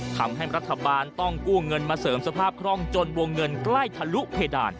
ทำให้รัฐบาลต้องกู้เงินมาเสริมสภาพคล่องจนวงเงินใกล้ทะลุเพดาน